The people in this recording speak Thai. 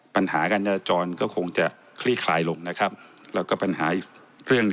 ปัญหาการดาจรก็คงจะขี้คลายลงแล้วก็ปัญหาอื่น